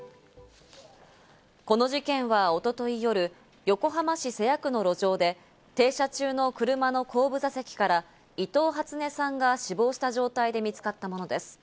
この事件は一昨日夜、横浜市瀬谷区の路上で、停車中の車の後部座席から伊藤初音さんが死亡した状態で見つかったものです。